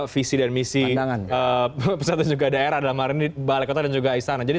visi dan misi pusat dan juga daerah dalam hal ini balai kota dan juga istana jadi